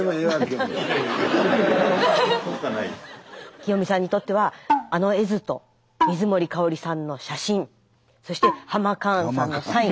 清水さんにとってはあの絵図と水森かおりさんの写真そしてハマカーンさんのサイン